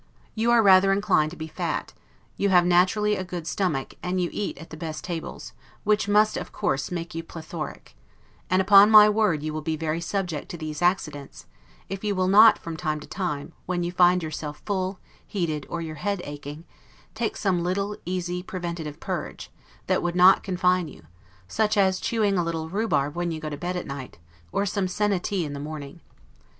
You are rather inclined to be fat, you have naturally a good stomach, and you eat at the best tables; which must of course make you plethoric: and upon my word you will be very subject to these accidents, if you will not, from time to time, when you find yourself full, heated, or your head aching, take some little, easy, preventative purge, that would not confine you; such as chewing a little rhubarb when you go to bed at night; or some senna tea in the morning.